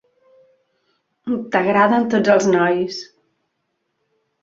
T'agraden tots els nois.